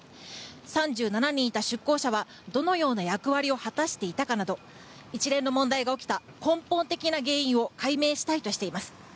３７人いた出向者はどのような役割を果たしていたかなど一連の問題が起きた根本的な原因を解明したいとしています。